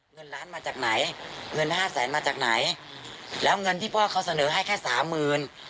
เงินล้านมาจากไหนเงินห้าแสนมาจากไหนแล้วเงินที่พ่อเขาเสนอให้แค่สามหมื่น